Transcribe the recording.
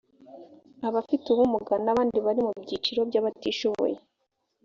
abafite ubumuga n ‘abandi bari mu byiciro by ‘abatishoboye